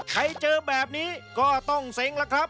ใครเจอแบบนี้ก็ต้องเสงละครับ